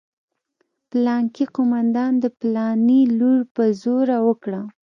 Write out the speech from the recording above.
پلانکي قومندان د پلاني لور په زوره وکړه.